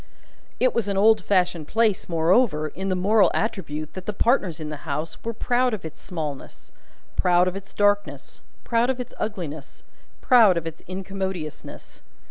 It was an old fashioned place, moreover, in the moral attribute that the partners in the House were proud of its smallness, proud of its darkness, proud of its ugliness, proud of its incommodiousness.